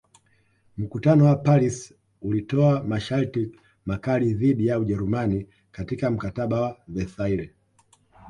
Mkutano wa Paris ulitoa masharti makali dhidi ya Ujerumani katika Mkataba wa Versaille